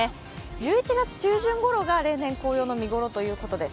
１１月中旬ごろが例年、見頃ということです。